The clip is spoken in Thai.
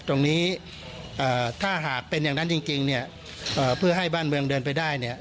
ตรงนี้ถ้าหากเป็นอย่างนั้นจริงเนี่ยเพื่อให้บ้านเมืองเดินไปได้เนี่ย